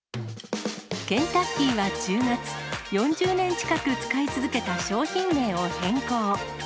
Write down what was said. ケンタッキーは１０月、４０年近く使い続けた商品名を変更。